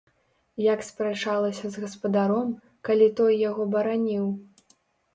Як спрачалася з гаспадаром, калі той яго бараніў!